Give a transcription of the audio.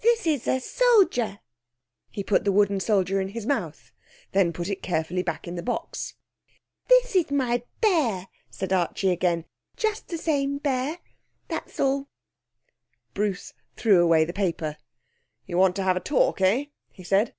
This is a soldier.' He put the wooden soldier in his mouth, then put it carefully back in the box. 'This is my bear,' said Archie again. 'Just the same bear. That's all.' Bruce threw away the paper. 'You want to have a talk, eh?' he said.